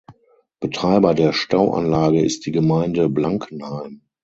Betreiber der Stauanlage ist die Gemeinde Blankenheim.